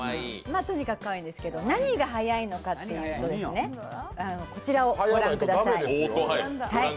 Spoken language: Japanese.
とにかくかわいいんですけど何がはやいのかというとこちらを御覧ください。